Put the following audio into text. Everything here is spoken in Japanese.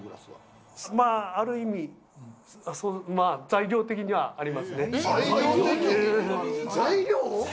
まぁ、ある意味、材料的にはありますね。